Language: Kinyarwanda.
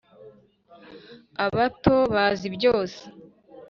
abato bazi byose